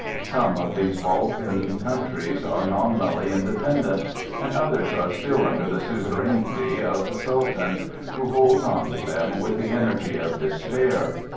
Some of these Balkan countries are nominally independent, others are still under the suzerainty of the Sultan, who holds on to them with the energy of despair.